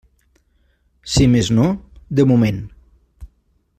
Si més no, de moment.